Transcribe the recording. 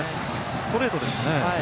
ストレートですかね。